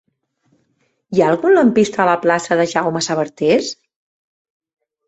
Hi ha algun lampista a la plaça de Jaume Sabartés?